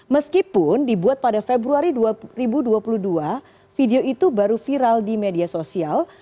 meskipun dibuat pada februari dua ribu dua puluh dua video itu baru viral di media sosial